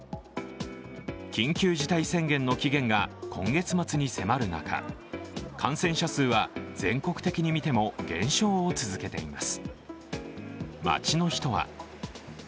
緊急事態宣言の期限が今月末に迫る中、感染者数は全国的に見ても減少を続けています。